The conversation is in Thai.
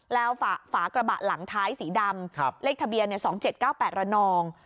แล้วฝากระบะหลังท้ายสีดำเลขทะเบียน๒๗๙๘ระนอง